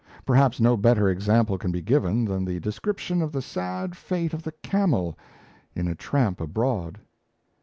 Perhaps no better example can be given than the description of the sad fate of the camel in 'A Tramp Abroad'.